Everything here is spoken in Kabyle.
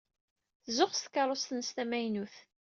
Tzuxx s tkeṛṛust-nnes tamaynut.